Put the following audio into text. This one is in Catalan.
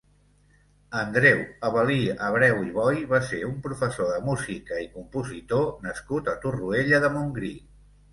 Andreu Avel·lí Abreu i Boy va ser un professor de música i compositor nascut a Torroella de Montgrí.